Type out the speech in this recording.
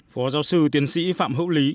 phó giáo sư tiến sĩ phạm hữu lý